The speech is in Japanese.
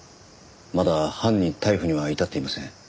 まだ犯人逮捕には至っていません。